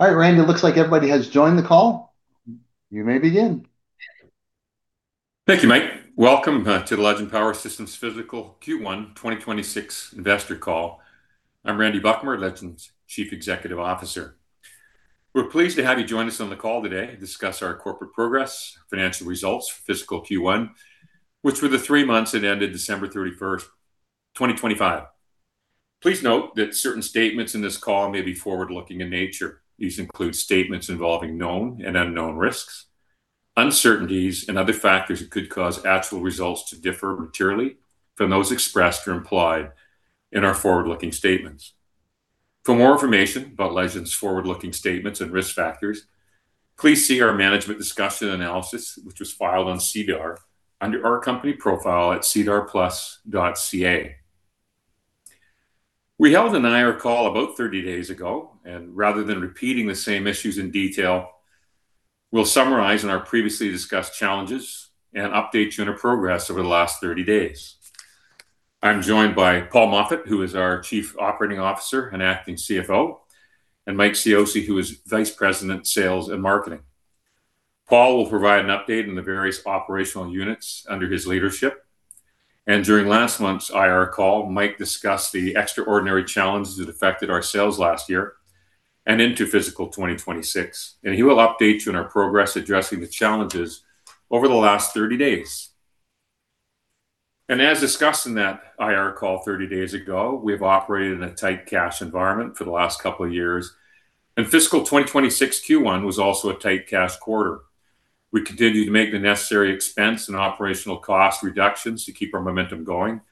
All right, Randy. It looks like everybody has joined the call. You may begin. Thank you, Mike. Welcome to the Legend Power Systems fiscal Q1 2026 investor call. I'm Randy Buchamer, Legend's Chief Executive Officer. We're pleased to have you join us on the call today to discuss our corporate progress, financial results fiscal Q1, which were the 3 months that ended December 31, 2025. Please note that certain statements in this call may be forward-looking in nature. These include statements involving known and unknown risks, uncertainties, and other factors that could cause actual results to differ materially from those expressed or implied in our forward-looking statements. For more information about Legend's forward-looking statements and risk factors, please see our management discussion analysis, which was filed on SEDAR under our company profile at sedarplus.ca. We held an IR call about 30 days ago. Rather than repeating the same issues in detail, we'll summarize on our previously discussed challenges and update you on our progress over the last 30 days. I'm joined by Paul Moffat, who is our Chief Operating Officer and acting CFO, and Mike Cioce, who is Vice President, Sales and Marketing. Paul will provide an update on the various operational units under his leadership. During last month's IR call, Mike discussed the extraordinary challenges that affected our sales last year and into fiscal 2026. He will update you on our progress addressing the challenges over the last 30 days. As discussed in that IR call 30 days ago, we have operated in a tight cash environment for the last couple of years, and fiscal 2026 Q1 was also a tight cash quarter. We continued to make the necessary expense and operational cost reductions to keep our momentum going,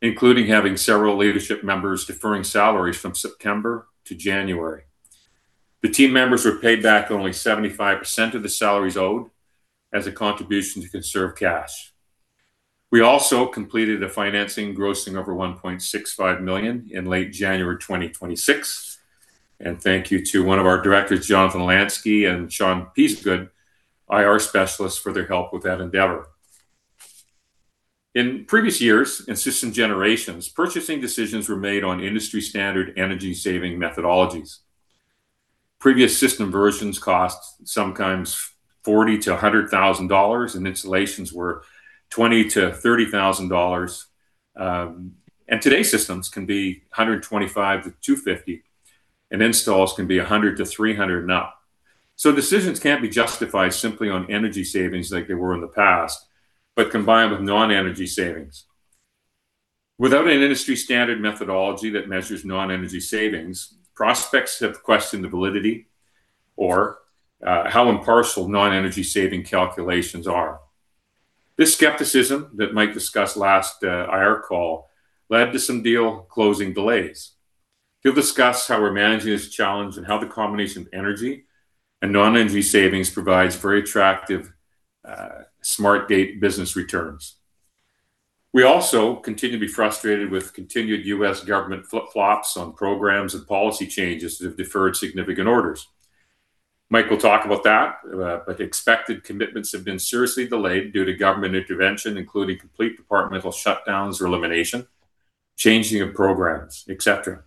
including having several leadership members deferring salaries from September to January. The team members were paid back only 75% of the salaries owed as a contribution to conserve cash. We also completed a financing grossing over 1.65 million in late January 2026. Thank you to one of our directors, Jonathan Lansky and Sean Peasgood, IR specialists, for their help with that endeavor. In previous years and system generations, purchasing decisions were made on industry-standard energy-saving methodologies. Previous system versions cost sometimes 40,000-100,000 dollars, and installations were 20,000-30,000 dollars. Today's systems can be 125,000-250,000, and installs can be 100,000-300,000 and up. Decisions can't be justified simply on energy savings like they were in the past, but combined with non-energy savings. Without an industry-standard methodology that measures non-energy savings, prospects have questioned the validity or how impartial non-energy savings calculations are. This skepticism that Mike discussed last IR call led to some deal closing delays. He'll discuss how we're managing this challenge and how the combination of energy and non-energy savings provides very attractive SmartGATE business returns. We also continue to be frustrated with continued U.S. government flip-flops on programs and policy changes that have deferred significant orders. Mike will talk about that. Expected commitments have been seriously delayed due to government intervention, including complete departmental shutdowns or elimination, changing of programs, et cetera.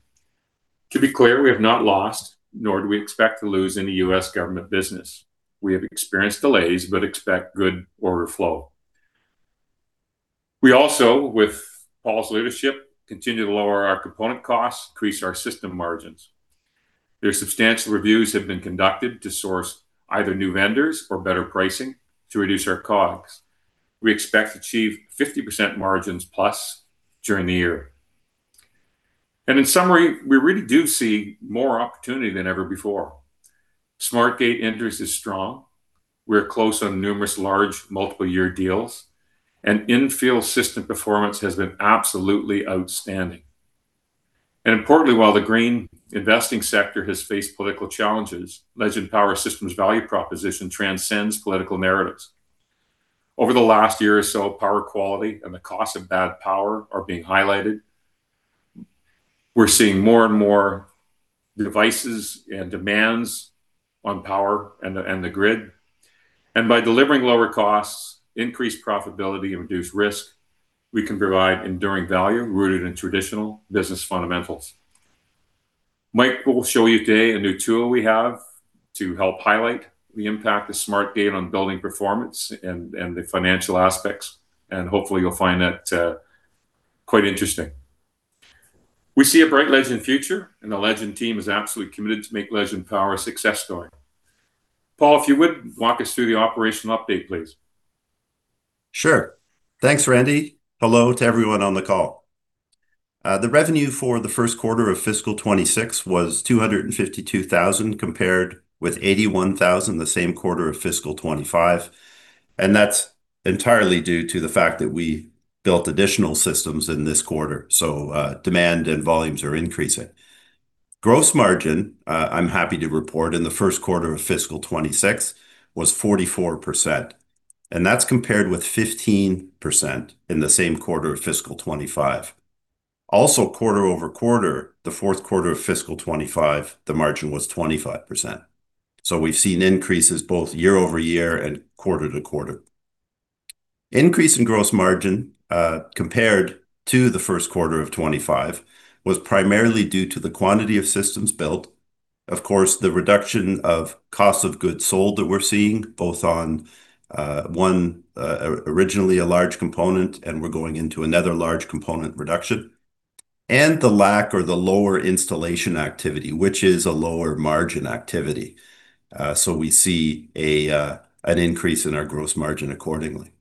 To be clear, we have not lost, nor do we expect to lose any U.S. government business. We have experienced delays but expect good order flow. We also, with Paul's leadership, continue to lower our component costs, increase our system margins. Their substantial reviews have been conducted to source either new vendors or better pricing to reduce our costs. We expect to achieve 50% margins plus during the year. In summary, we really do see more opportunity than ever before. SmartGATE interest is strong. We're close on numerous large multiple-year deals, and in-field system performance has been absolutely outstanding. Importantly, while the green investing sector has faced political challenges, Legend Power Systems' value proposition transcends political narratives. Over the last year or so, power quality and the cost of bad power are being highlighted. We're seeing more and more devices and demands on power and the grid. By delivering lower costs, increased profitability, and reduced risk, we can provide enduring value rooted in traditional business fundamentals. Mike will show you today a new tool we have to help highlight the impact of SmartGATE on building performance and the financial aspects, and hopefully, you'll find that quite interesting. We see a bright Legend future, and the Legend team is absolutely committed to make Legend Power a success story. Paul, if you would, walk us through the operational update, please. Sure. Thanks, Randy. Hello to everyone on the call. The revenue for the first quarter of fiscal 2026 was 252,000, compared with 81,000 the same quarter of fiscal 2025. That's entirely due to the fact that we built additional systems in this quarter. Demand and volumes are increasing. Gross margin, I'm happy to report, in the first quarter of fiscal 2026 was 44%, and that's compared with 15% in the same quarter of fiscal 2025. Also, quarter-over-quarter, the fourth quarter of fiscal 2025, the margin was 25%. We've seen increases both year-over-year and quarter-to-quarter. Increase in gross margin, compared to the first quarter of 2025 was primarily due to the quantity of systems built. The reduction of cost of goods sold that we're seeing both on one, originally a large component, and we're going into another large component reduction, and the lack or the lower installation activity, which is a lower margin activity. We see an increase in our gross margin accordingly.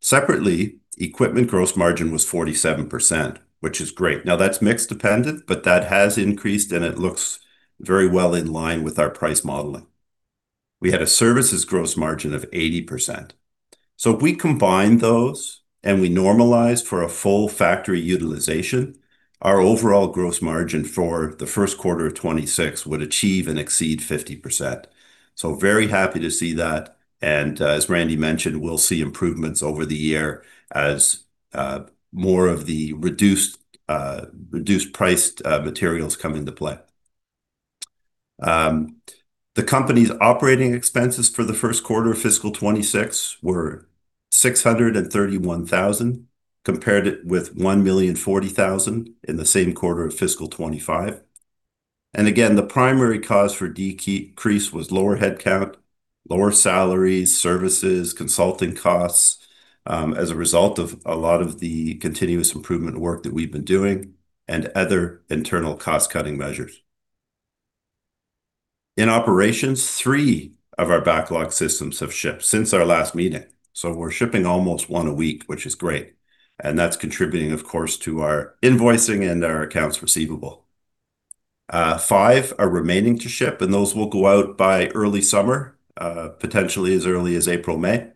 Separately, equipment gross margin was 47%, which is great. That's mixed dependent, but that has increased, and it looks very well in line with our price modeling. We had a services gross margin of 80%. If we combine those, and we normalize for a full factory utilization, our overall gross margin for the first quarter of 2026 would achieve and exceed 50%. Very happy to see that, and, as Randy mentioned, we'll see improvements over the year as, more of the reduced priced, materials come into play. The company's operating expenses for the first quarter of fiscal 2026 were 631,000 compared with 1,040,000 in the same quarter of fiscal 2025. Again, the primary cause for decrease was lower headcount, lower salaries, services, consulting costs, as a result of a lot of the continuous improvement work that we've been doing and other internal cost-cutting measures. In operations, three of our backlog systems have shipped since our last meeting. We're shipping almost one a week, which is great, and that's contributing, of course, to our invoicing and our accounts receivable. Five are remaining to ship, those will go out by early summer, potentially as early as April, May.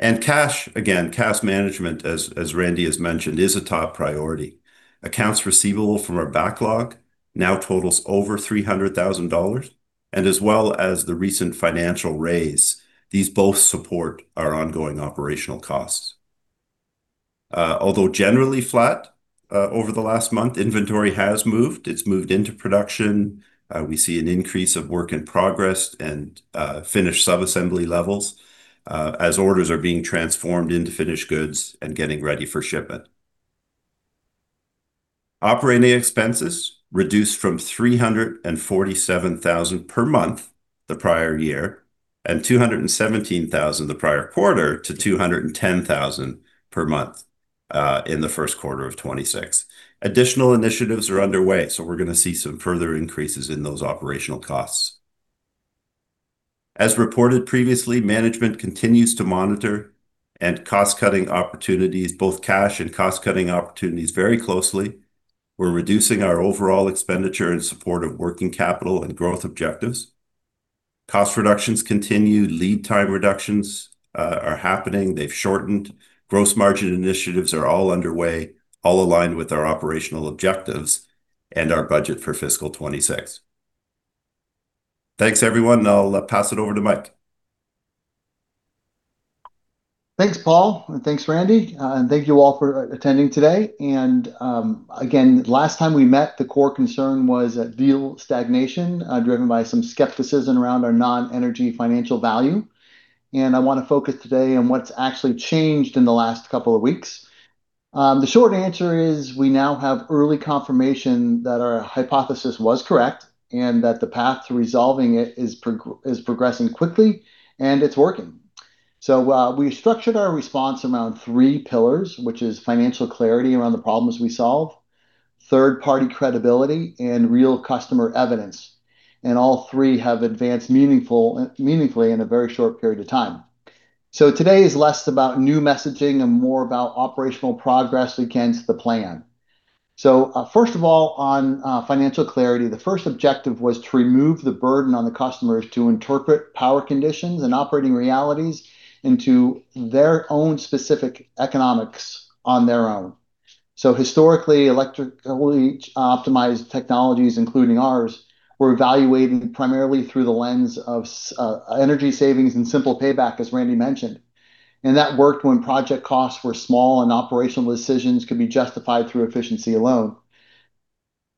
Cash, again, cash management, as Randy has mentioned, is a top priority. Accounts receivable from our backlog now totals over 300,000 dollars. As well as the recent financial raise, these both support our ongoing operational costs. Although generally flat over the last month, inventory has moved. It's moved into production. We see an increase of work in progress and finished sub-assembly levels, as orders are being transformed into finished goods and getting ready for shipment. Operating expenses reduced from 347,000 per month the prior year and 217,000 the prior quarter to 210,000 per month in the first quarter of 2026. Additional initiatives are underway. We're going to see some further increases in those operational costs. As reported previously, management continues to monitor and cost-cutting opportunities, both cash and cost-cutting opportunities very closely. We're reducing our overall expenditure in support of working capital and growth objectives. Cost reductions continue. Lead time reductions are happening. They've shortened. Gross margin initiatives are all underway, all aligned with our operational objectives and our budget for fiscal 26. Thanks, everyone. I'll pass it over to Mike. Thanks, Paul, thanks, Randy, and thank you all for attending today. Again, last time we met, the core concern was deal stagnation, driven by some skepticism around our non-energy financial value. I wanna focus today on what's actually changed in the last 2 weeks. The short answer is we now have early confirmation that our hypothesis was correct and that the path to resolving it is progressing quickly, and it's working. We structured our response around three pillars, which is financial clarity around the problems we solve, third-party credibility, and real customer evidence. All three have advanced meaningfully in a very short period of time. Today is less about new messaging and more about operational progress against the plan. First of all, on financial clarity, the first objective was to remove the burden on the customers to interpret power conditions and operating realities into their own specific economics on their own. Historically, electric reach optimized technologies, including ours, were evaluated primarily through the lens of energy savings and simple payback, as Randy mentioned. That worked when project costs were small and operational decisions could be justified through efficiency alone.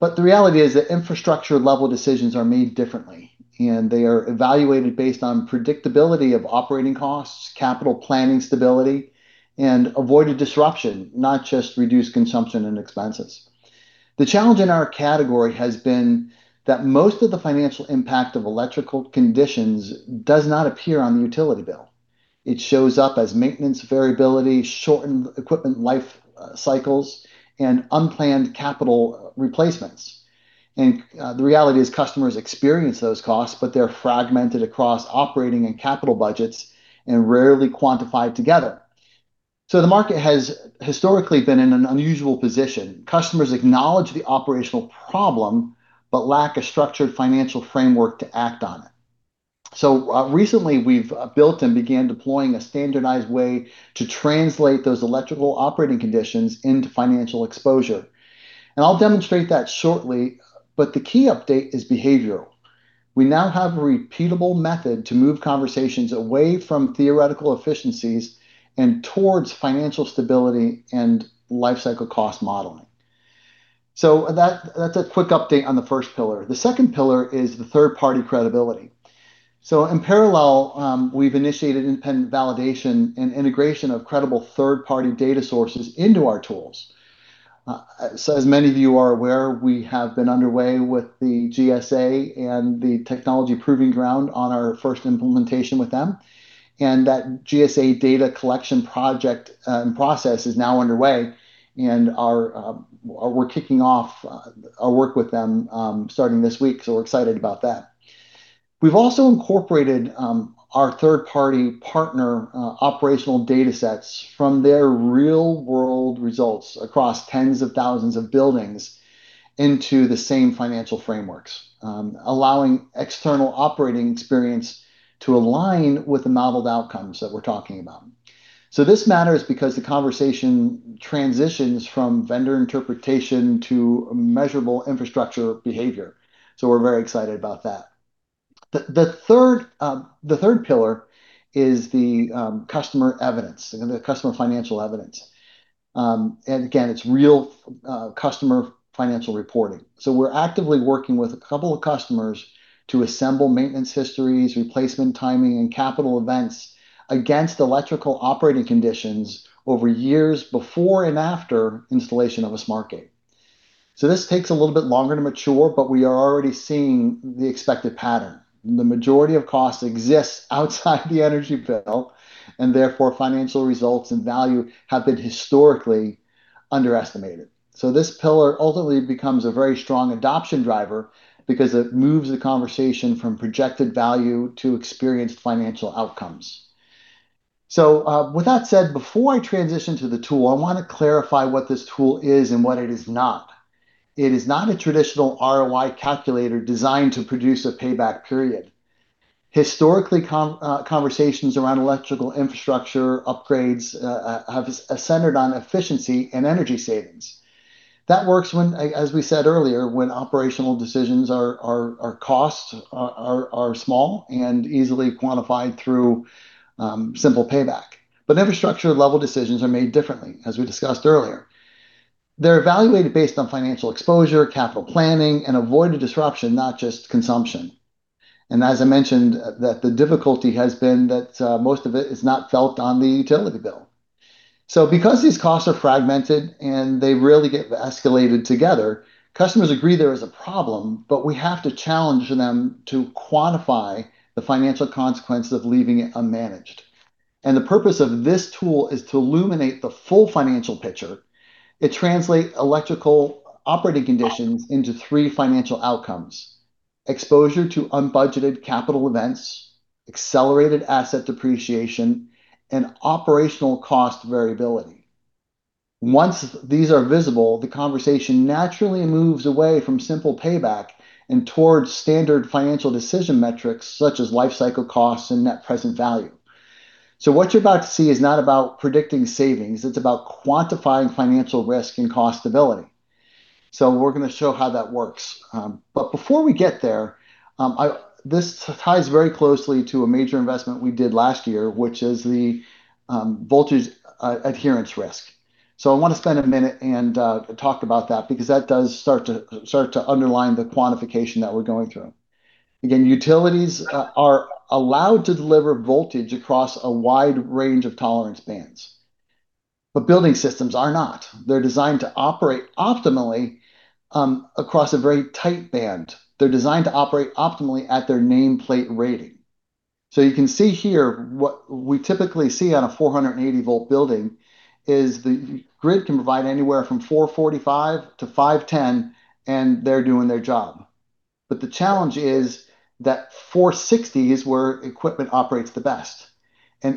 The reality is that infrastructure-level decisions are made differently, and they are evaluated based on predictability of operating costs, capital planning stability, and avoided disruption, not just reduced consumption and expenses. The challenge in our category has been that most of the financial impact of electrical conditions does not appear on the utility bill. It shows up as maintenance variability, shortened equipment life, cycles, and unplanned capital replacements. The reality is customers experience those costs, but they're fragmented across operating and capital budgets and rarely quantified together. The market has historically been in an unusual position. Customers acknowledge the operational problem but lack a structured financial framework to act on it. Recently, we've built and began deploying a standardized way to translate those electrical operating conditions into financial exposure, and I'll demonstrate that shortly, but the key update is behavioral. We now have a repeatable method to move conversations away from theoretical efficiencies and towards financial stability and life cycle cost modeling. That's a quick update on the first pillar. The second pillar is the third party credibility. In parallel, we've initiated independent validation and integration of credible third party data sources into our tools. As many of you are aware, we have been underway with the GSA and the Green Proving Ground on our first implementation with them, and that GSA data collection project and process is now underway, and we're kicking off our work with them starting this week, so we're excited about that. We've also incorporated our third party partner operational data sets from their real world results across tens of thousands of buildings into the same financial frameworks, allowing external operating experience to align with the modeled outcomes that we're talking about. This matters because the conversation transitions from vendor interpretation to measurable infrastructure behavior, so we're very excited about that. The third pillar is the customer evidence, the customer financial evidence. Again, it's real customer financial reporting. We're actively working with two customers to assemble maintenance histories, replacement timing and capital events against electrical operating conditions over years before and after installation of a SmartGATE. This takes a little bit longer to mature, but we are already seeing the expected pattern. The majority of cost exists outside the energy bill, and therefore financial results and value have been historically underestimated. This pillar ultimately becomes a very strong adoption driver because it moves the conversation from projected value to experienced financial outcomes. With that said, before I transition to the tool, I want to clarify what this tool is and what it is not. It is not a traditional ROI calculator designed to produce a payback period. Historically conversations around electrical infrastructure upgrades have centered on efficiency and energy savings. That works when, as we said earlier, when operational decisions are costs are small and easily quantified through simple payback. Infrastructure level decisions are made differently, as we discussed earlier. They're evaluated based on financial exposure, capital planning and avoided disruption, not just consumption. As I mentioned, that the difficulty has been that most of it is not felt on the utility bill. Because these costs are fragmented and they really get escalated together, customers agree there is a problem, but we have to challenge them to quantify the financial consequences of leaving it unmanaged. The purpose of this tool is to illuminate the full financial picture. It translates electrical operating conditions into 3 financial outcomes: exposure to unbudgeted capital events, accelerated asset depreciation, and operational cost variability. Once these are visible, the conversation naturally moves away from simple payback and towards standard financial decision metrics such as life cycle costs and net present value. What you're about to see is not about predicting savings, it's about quantifying financial risk and cost stability. We're going to show how that works. This ties very closely to a major investment we did last year, which is the voltage adherence risk. I want to spend a minute and talk about that because that does start to underline the quantification that we're going through. Again, utilities are allowed to deliver voltage across a wide range of tolerance bands, but building systems are not. They're designed to operate optimally across a very tight band. They're designed to operate optimally at their nameplate rating. You can see here what we typically see on a 480 volt building is the grid can provide anywhere from 445 to 510, and they're doing their job. The challenge is that 460 is where equipment operates the best.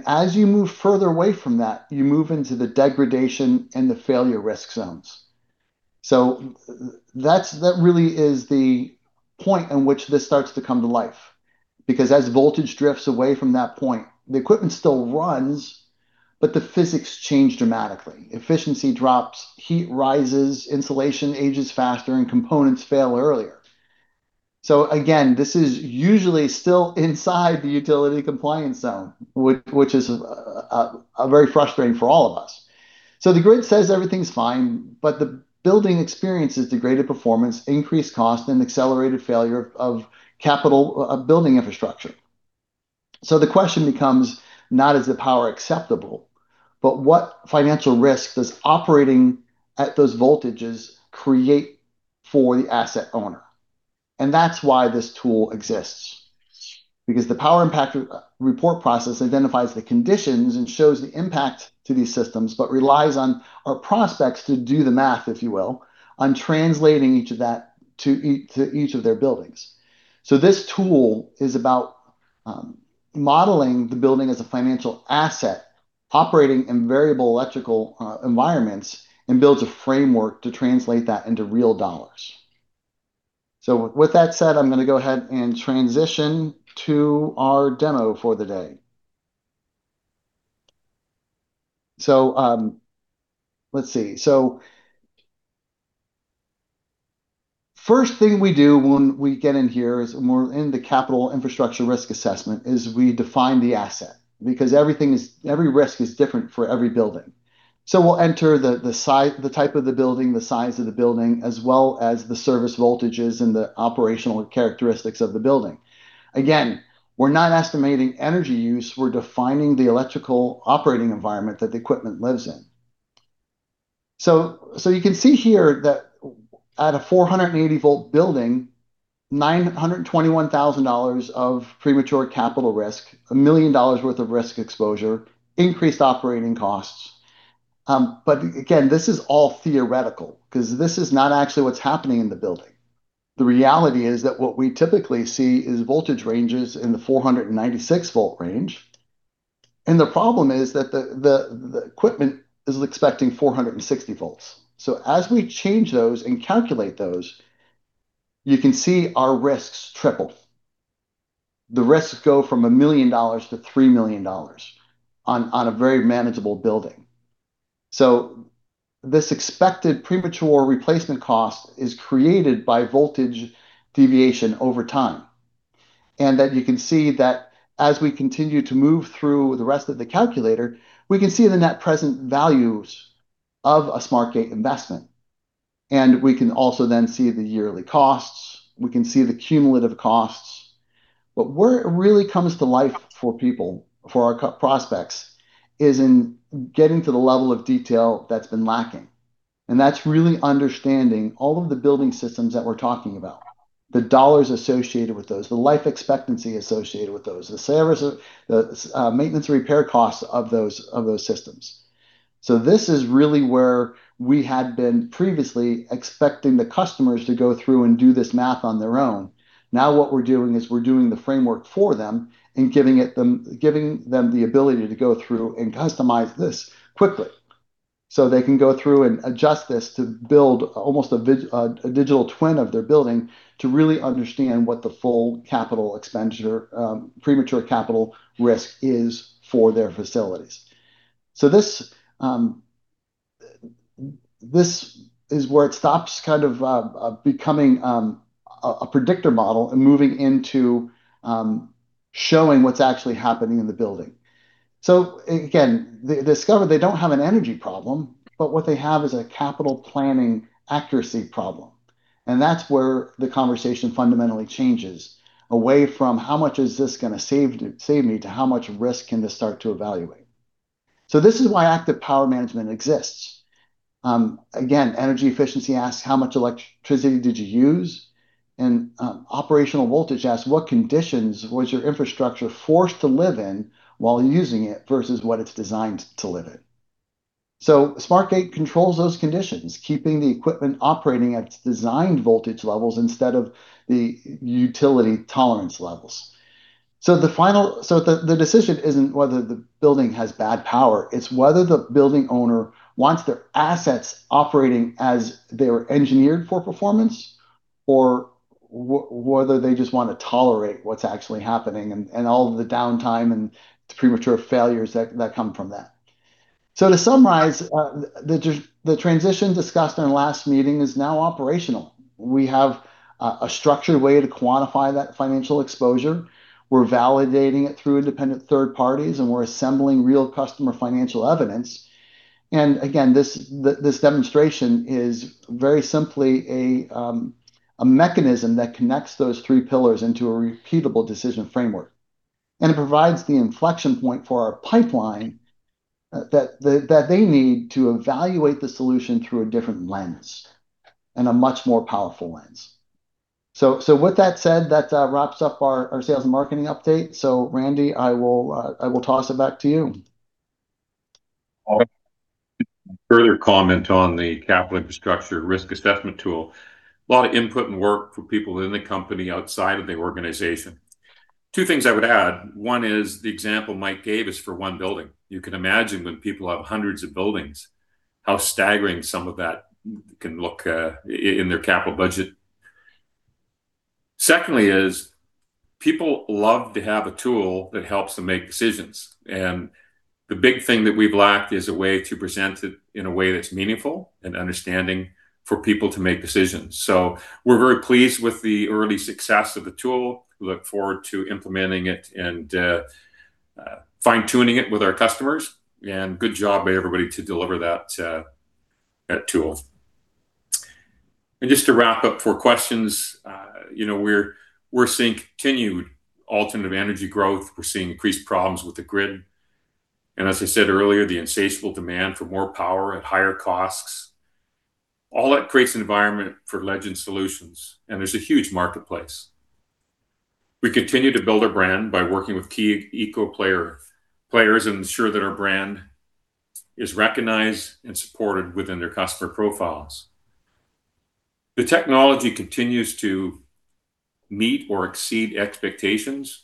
As you move further away from that, you move into the degradation and the failure risk zones. That's, that really is the point in which this starts to come to life. As voltage drifts away from that point, the equipment still runs, but the physics change dramatically. Efficiency drops, heat rises, insulation ages faster, and components fail earlier. Again, this is usually still inside the utility compliance zone, which is very frustrating for all of us. The grid says everything's fine, but the building experiences degraded performance, increased cost, and accelerated failure of capital building infrastructure. The question becomes not is the power acceptable, but what financial risk does operating at those voltages create for the asset owner? That's why this tool exists, because the Power Impact Report process identifies the conditions and shows the impact to these systems, but relies on our prospects to do the math, if you will, on translating each of that to each of their buildings. This tool is about modeling the building as a financial asset, operating in variable electrical environments, and builds a framework to translate that into real dollars. With that said, I'm going to go ahead and transition to our demo for the day. Let's see. First thing we do when we get in here is when we're in the capital infrastructure risk assessment, is we define the asset because everything is every risk is different for every building. We'll enter the type of the building, the size of the building, as well as the service voltages and the operational characteristics of the building. Again, we're not estimating energy use, we're defining the electrical operating environment that the equipment lives in. You can see here that at a 480 volt building, $921,000 of premature capital risk, $1 million worth of risk exposure, increased operating costs. Again, this is all theoretical 'cause this is not actually what's happening in the building. The reality is that what we typically see is voltage ranges in the 496 volt range. The problem is that the equipment is expecting 460 volts. As we change those and calculate those, you can see our risks triple. The risks go from $1 million to $3 million on a very manageable building. This expected premature replacement cost is created by voltage deviation over time. That you can see that as we continue to move through the rest of the calculator, we can see the net present values of a SmartGATE investment. We can also then see the yearly costs, we can see the cumulative costs. Where it really comes to life for people, for our prospects, is in getting to the level of detail that's been lacking. That's really understanding all of the building systems that we're talking about, the dollars associated with those, the life expectancy associated with those, the service, the maintenance and repair costs of those systems. This is really where we had been previously expecting the customers to go through and do this math on their own. Now what we're doing is we're doing the framework for them and giving them the ability to go through and customize this quickly. They can go through and adjust this to build almost a digital twin of their building to really understand what the full capital expenditure, premature capital risk is for their facilities. This is where it stops kind of becoming a predictor model and moving into showing what's actually happening in the building. Again, they discover they don't have an energy problem, but what they have is a capital planning accuracy problem. That's where the conversation fundamentally changes away from how much is this gonna save me to how much risk can this start to evaluate. This is why Active Power Management exists. Again, energy efficiency asks how much electricity did you use? Operational voltage asks what conditions was your infrastructure forced to live in while using it versus what it's designed to live in. SmartGATE controls those conditions, keeping the equipment operating at its designed voltage levels instead of the utility tolerance levels. The decision isn't whether the building has bad power, it's whether the building owner wants their assets operating as they were engineered for performance or whether they just want to tolerate what's actually happening and all of the downtime and the premature failures that come from that. To summarize, the transition discussed in our last meeting is now operational. We have a structured way to quantify that financial exposure. We're validating it through independent third parties, and we're assembling real customer financial evidence. Again, this demonstration is very simply a mechanism that connects those three pillars into a repeatable decision framework. It provides the inflection point for our pipeline that they need to evaluate the solution through a different lens, and a much more powerful lens. With that said, that wraps up our sales and marketing update. Randy, I will toss it back to you. Further comment on the capital infrastructure risk assessment tool. A lot of input and work for people in the company outside of the organization. Two things I would add. One is the example Mike gave is for one building. You can imagine when people have hundreds of buildings, how staggering some of that can look in their capital budget. Secondly is people love to have a tool that helps them make decisions, and the big thing that we've lacked is a way to present it in a way that's meaningful and understanding for people to make decisions. We're very pleased with the early success of the tool. We look forward to implementing it and fine-tuning it with our customers. Good job by everybody to deliver that tool. Just to wrap up for questions, you know, we're seeing continued alternative energy growth. We're seeing increased problems with the grid. As I said earlier, the insatiable demand for more power at higher costs. All that creates an environment for Legend solutions, and there's a huge marketplace. We continue to build our brand by working with key eco players and ensure that our brand is recognized and supported within their customer profiles. The technology continues to meet or exceed expectations.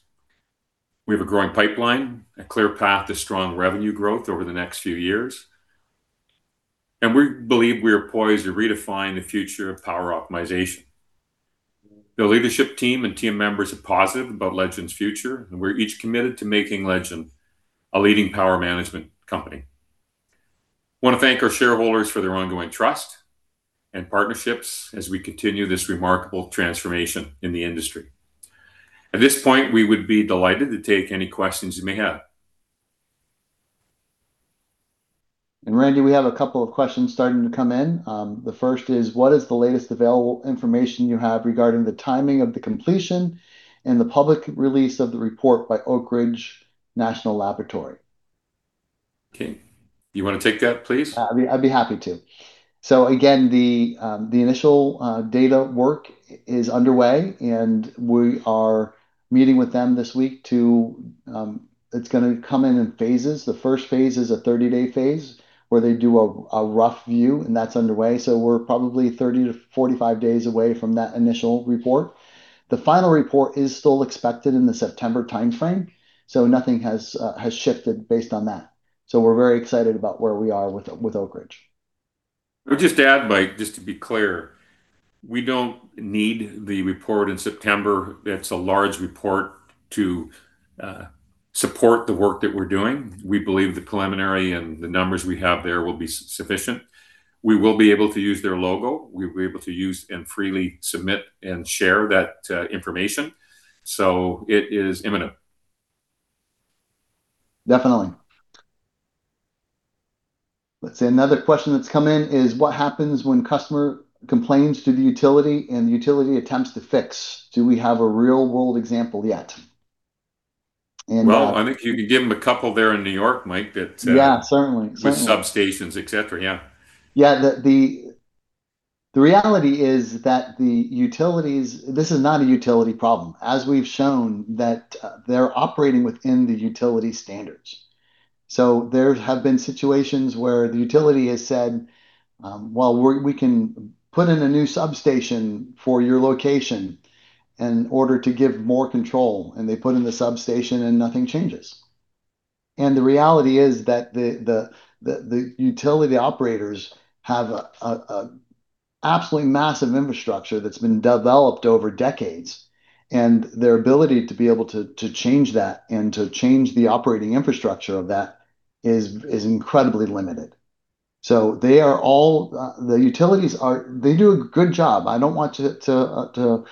We have a growing pipeline, a clear path to strong revenue growth over the next few years. We believe we are poised to redefine the future of power optimization. The leadership team and team members are positive about Legend's future, and we're each committed to making Legend a leading power management company. Want to thank our shareholders for their ongoing trust and partnerships as we continue this remarkable transformation in the industry. At this point, we would be delighted to take any questions you may have. Randy, we have a couple of questions starting to come in. The first is, what is the latest available information you have regarding the timing of the completion and the public release of the report by Oak Ridge National Laboratory? Okay. You wanna take that please? Yeah. I'd be happy to. Again, the initial data work is underway, and we are meeting with them this week to... It's gonna come in in phases. The first phase is a 30-day phase where they do a rough view, and that's underway. We're probably 30 to 45 days away from that initial report. The final report is still expected in the September timeframe, so nothing has shifted based on that. We're very excited about where we are with Oak Ridge. I would just add, Mike, just to be clear, we don't need the report in September, it's a large report, to support the work that we're doing. We believe the preliminary and the numbers we have there will be sufficient. We will be able to use their logo. We'll be able to use and freely submit and share that information, so it is imminent. Definitely. Let's see. Another question that's come in is, what happens when customer complains to the utility and the utility attempts to fix? Do we have a real-world example yet? Well, I think you can give them a couple there in New York, Mike, that. Yeah. Certainly. Certainly.... with substations, et cetera. Yeah. Yeah. The reality is that the utilities. This is not a utility problem, as we've shown that they're operating within the utility standards. There have been situations where the utility has said, "Well, we can put in a new substation for your location in order to give more control," they put in the substation and nothing changes. The reality is that the utility operators have a absolutely massive infrastructure that's been developed over decades, and their ability to be able to change that and to change the operating infrastructure of that is incredibly limited. They are all. The utilities are. They do a good job. I don't want to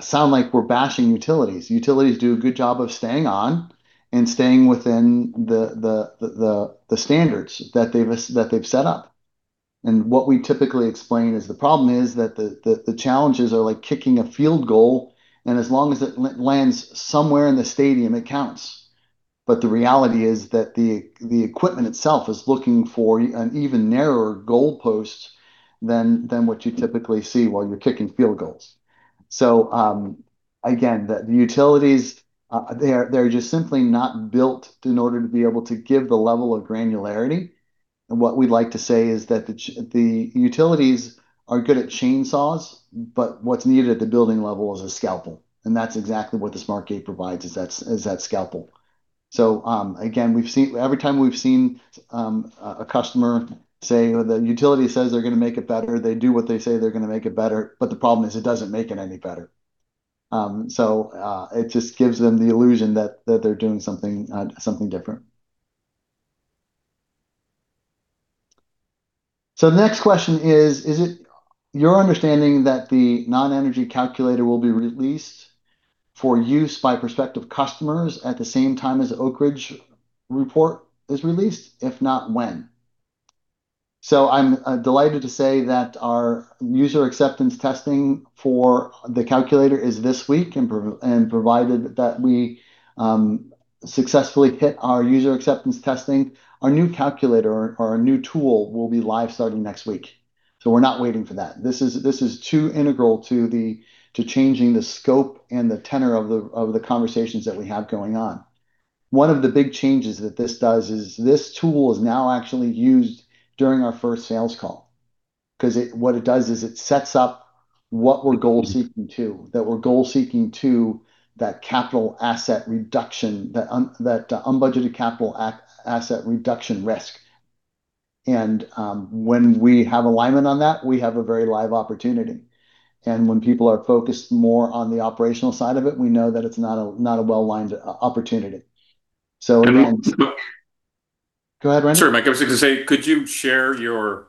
sound like we're bashing utilities. Utilities do a good job of staying on and staying within the standards that they've set up. What we typically explain is the problem is that the challenges are like kicking a field goal, and as long as it lands somewhere in the stadium, it counts. The reality is that the equipment itself is looking for an even narrower goalpost than what you typically see while you're kicking field goals. Again, the utilities, they're just simply not built in order to be able to give the level of granularity. What we like to say is that the utilities are good at chainsaws, but what's needed at the building level is a scalpel, and that's exactly what the SmartGATE provides, is that scalpel. Again, we've seen. Every time we've seen a customer say, "The utility says they're gonna make it better," they do what they say they're gonna make it better, but the problem is it doesn't make it any better. It just gives them the illusion that they're doing something different. The next question is, "Is it your understanding that the non-energy calculator will be released for use by prospective customers at the same time as the Oak Ridge report is released? If not, when?" I'm delighted to say that our user acceptance testing for the calculator is this week, and provided that we successfully hit our user acceptance testing, our new calculator or our new tool will be live starting next week. We're not waiting for that. This is too integral to changing the scope and the tenor of the conversations that we have going on. One of the big changes that this does is this tool is now actually used during our first sales call, 'cause what it does is it sets up what we're goal seeking to that capital asset reduction, that unbudgeted capital asset reduction risk. When we have alignment on that, we have a very live opportunity. When people are focused more on the operational side of it, we know that it's not a well-aligned opportunity. Can we... Go ahead, Randy. Sorry, Mike. I was just gonna say, could you share your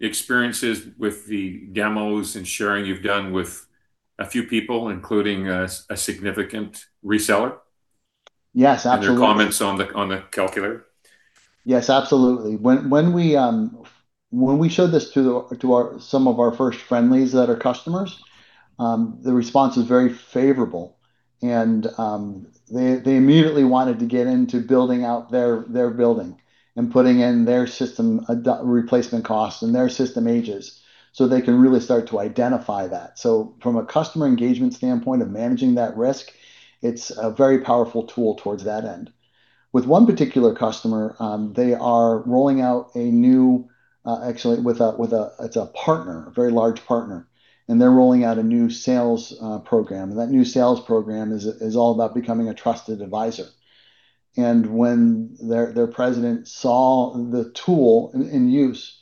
experiences with the demos and sharing you've done with a few people, including a significant reseller? Yes, absolutely. Their comments on the, on the calculator? Yes, absolutely. When we, when we showed this to some of our first friendlies that are customers, the response was very favorable and they immediately wanted to get into building out their building and putting in their system replacement costs and their system ages, so they can really start to identify that. So from a customer engagement standpoint of managing that risk, it's a very powerful tool towards that end. With one particular customer, actually, with a partner, a very large partner, and they're rolling out a new sales program, and that new sales program is all about becoming a trusted advisor. When their president saw the tool in use,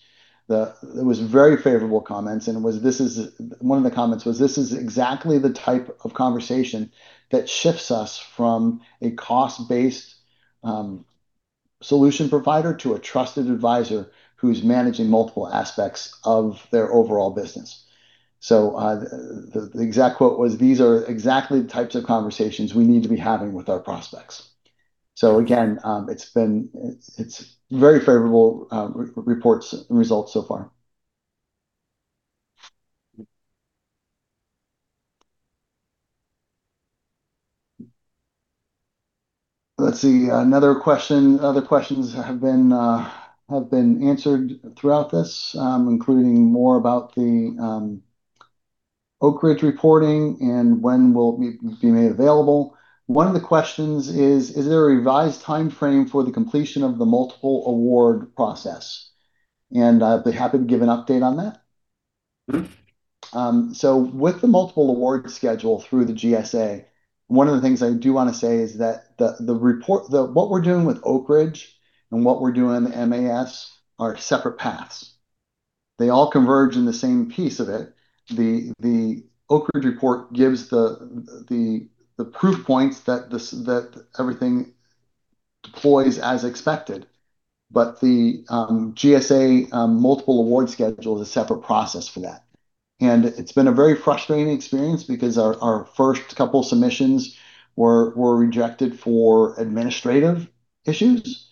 the... It was very favorable comments. It was, "This is..." One of the comments was, "This is exactly the type of conversation that shifts us from a cost-based solution provider to a trusted advisor who's managing multiple aspects of their overall business. The exact quote was, "These are exactly the types of conversations we need to be having with our prospects." Again, it's very favorable reports and results so far. Let's see. Another question... Other questions have been answered throughout this, including more about the Oak Ridge reporting and when will it be made available. One of the questions is, "Is there a revised timeframe for the completion of the multiple award process?" I'd be happy to give an update on that. With the Multiple Award Schedule through the GSA, one of the things I do wanna say is that the report... What we're doing with Oak Ridge and what we're doing on the MAS are separate paths. They all converge in the same piece of it. The, the Oak Ridge report gives the, the proof points that everything deploys as expected. The GSA Multiple Award Schedule is a separate process for that. It's been a very frustrating experience because our first couple submissions were rejected for administrative issues.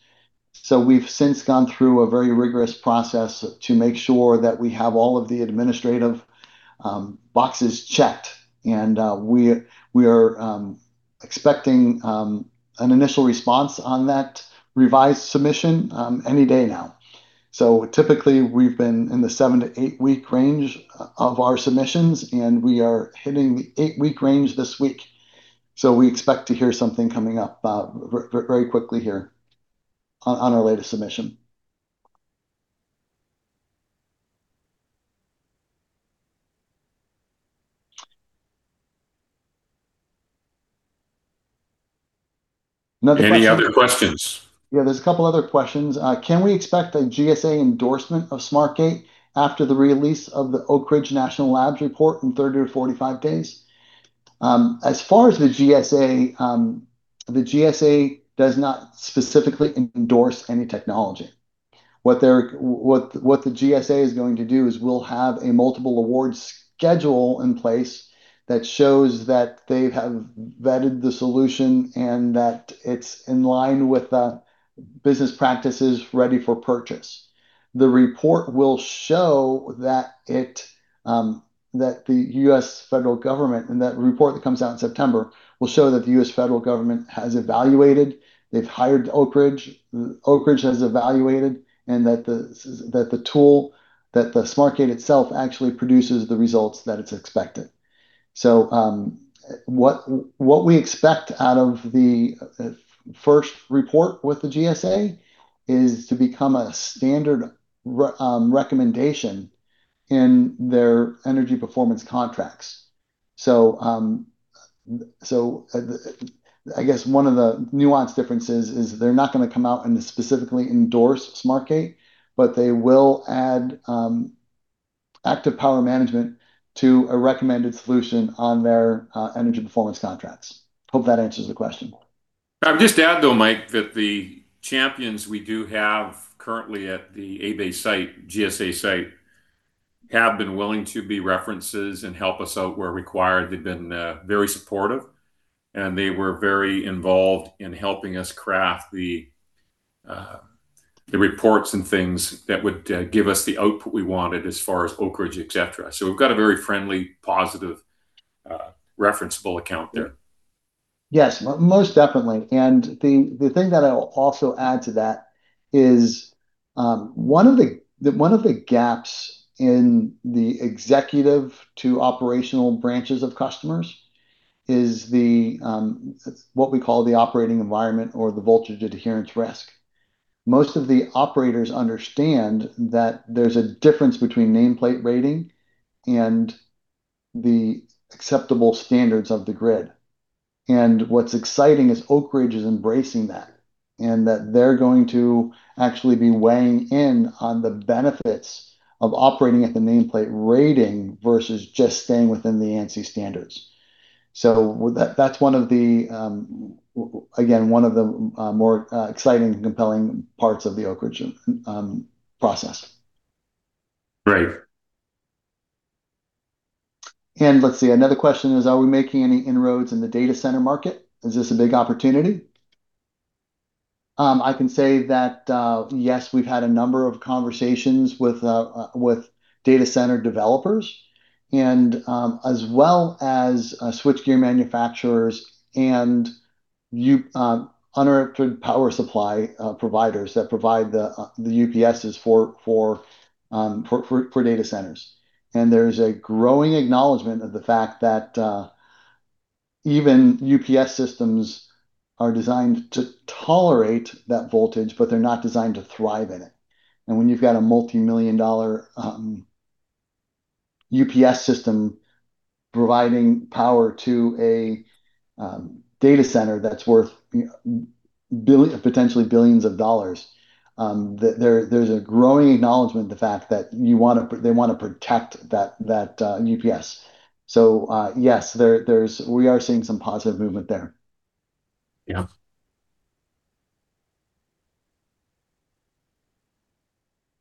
We've since gone through a very rigorous process to make sure that we have all of the administrative boxes checked and we are expecting an initial response on that revised submission any day now. Typically, we've been in the 7 to 8-week range of our submissions, and we are hitting the 8-week range this week. We expect to hear something coming up very quickly here on our latest submission. Another question. Any other questions? Yeah, there's a couple other questions. Can we expect a GSA endorsement of SmartGATE after the release of the Oak Ridge National Labs report in 30 to 45 days? As far as the GSA, the GSA does not specifically endorse any technology. What the GSA is going to do is we'll have a Multiple Award Schedule in place that shows that they have vetted the solution and that it's in line with the business practices ready for purchase. The report will show that it, that the U.S. federal government, and that report that comes out in September, will show that the U.S. federal government has evaluated, they've hired Oak Ridge, Oak Ridge has evaluated, and that the tool, that the SmartGATE itself actually produces the results that it's expected. What we expect out of the first report with the GSA is to become a standard recommendation in their Energy Savings Performance Contracts. I guess one of the nuanced differences is they're not gonna come out and specifically endorse SmartGATE, but they will add Active Power Management to a recommended solution on their Energy Savings Performance Contracts. Hope that answers the question. I'll just add though, Mike, that the champions we do have currently at the ABA site, GSA site, have been willing to be references and help us out where required. They've been very supportive, and they were very involved in helping us craft the reports and things that would give us the output we wanted as far as Oak Ridge, et cetera. We've got a very friendly, positive, referenceable account there. Yes. Most definitely. The thing that I'll also add to that is one of the gaps in the executive to operational branches of customers is what we call the operating environment or the voltage adherence risk. Most of the operators understand that there's a difference between nameplate rating and the acceptable standards of the grid. What's exciting is Oak Ridge is embracing that, and that they're going to actually be weighing in on the benefits of operating at the nameplate rating versus just staying within the ANSI standards. That's one of the again, one of the more exciting, compelling parts of the Oak Ridge process. Great. Let's see. Another question is, are we making any inroads in the data center market? Is this a big opportunity? I can say that, yes, we've had a number of conversations with data center developers, and as well as switchgear manufacturers and uninterrupted power supply providers that provide the UPSs for data centers. There's a growing acknowledgement of the fact that even UPS systems are designed to tolerate that voltage, but they're not designed to thrive in it. When you've got a multi-million dollar UPS system providing power to a data center that's worth potentially billions of dollars. There's a growing acknowledgement the fact that they wanna protect that UPS. Yes, there's... We are seeing some positive movement there. Yeah.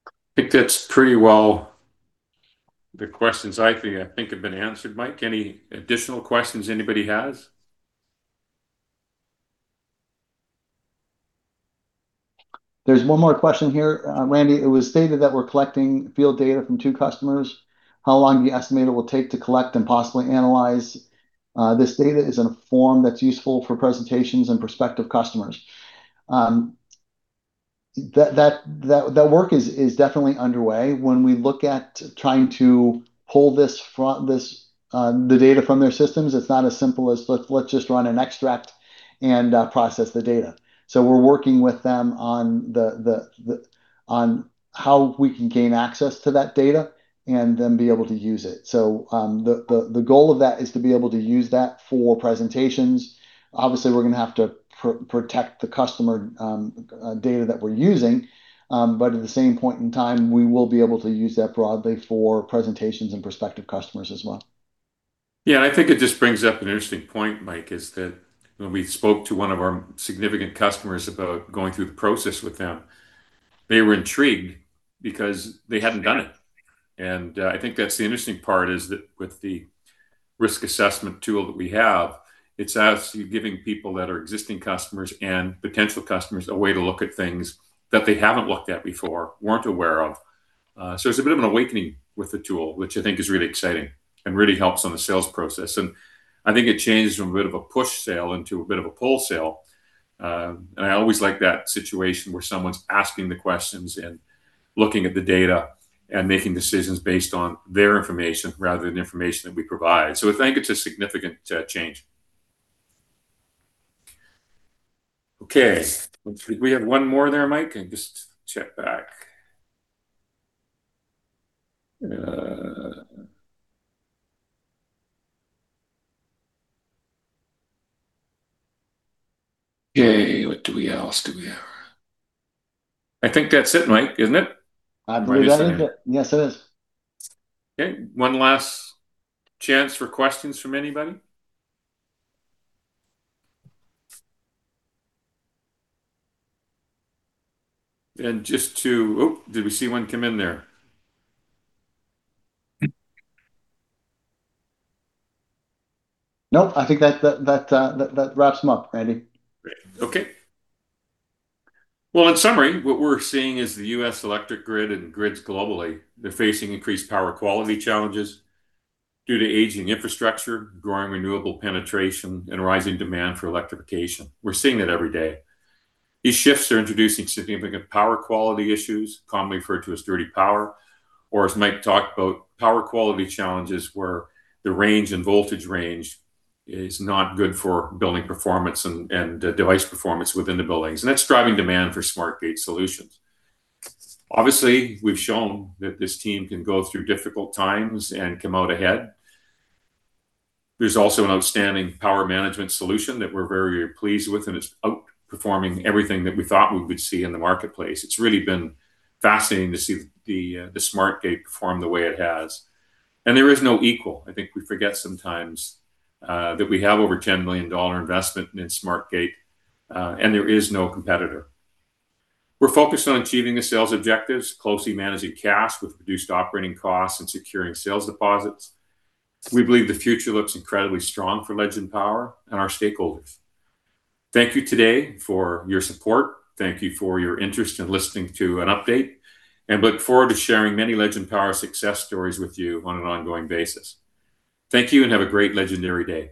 I think that's pretty well the questions I think have been answered, Mike. Any additional questions anybody has? There's one more question here, Randy. It was stated that we're collecting field data from two customers. How long do you estimate it will take to collect and possibly analyze this data is in a form that's useful for presentations and prospective customers? That work is definitely underway. When we look at trying to pull this data from their systems, it's not as simple as let's just run an extract and process the data. We're working with them on the on how we can gain access to that data and then be able to use it. The goal of that is to be able to use that for presentations. Obviously, we're gonna have to protect the customer data that we're using, but at the same point in time, we will be able to use that broadly for presentations and prospective customers as well. I think it just brings up an interesting point, Mike, is that when we spoke to one of our significant customers about going through the process with them, they were intrigued because they hadn't done it. I think that's the interesting part is that with the risk assessment tool that we have, it's actually giving people that are existing customers and potential customers a way to look at things that they haven't looked at before, weren't aware of. So it's a bit of an awakening with the tool, which I think is really exciting and really helps on the sales process. I think it changes from a bit of a push sale into a bit of a pull sale. I always like that situation where someone's asking the questions and looking at the data and making decisions based on their information rather than information that we provide. I think it's a significant change. Let's see. We have one more there, Mike? I can just check back. What do we else do we have? I think that's it, Mike, isn't it? I believe that is it. Right, it's there. Yes, it is. Okay. One last chance for questions from anybody. Oh, did we see one come in there? Nope, I think that wraps them up, Randy. Great. Okay. Well, in summary, what we're seeing is the U.S. electric grid and grids globally, they're facing increased power quality challenges due to aging infrastructure, growing renewable penetration, and rising demand for electrification. We're seeing that every day. These shifts are introducing significant power quality issues, commonly referred to as dirty power, or as Mike talked about, power quality challenges where the range and voltage range is not good for building performance and device performance within the buildings. That's driving demand for SmartGATE solutions. Obviously, we've shown that this team can go through difficult times and come out ahead. There's also an outstanding power management solution that we're very pleased with. It's outperforming everything that we thought we would see in the marketplace. It's really been fascinating to see the SmartGATE perform the way it has. There is no equal. I think we forget sometimes that we have over 10 million dollar investment in SmartGATE, and there is no competitor. We're focused on achieving the sales objectives, closely managing cash with reduced operating costs and securing sales deposits. We believe the future looks incredibly strong for Legend Power and our stakeholders. Thank you today for your support. Thank you for your interest in listening to an update. Look forward to sharing many Legend Power success stories with you on an ongoing basis. Thank you, and have a great legendary day.